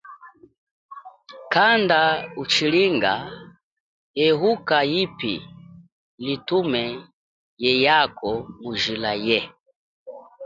Kanda uchilinga ehuka yipi litume yeyako mu jila ye.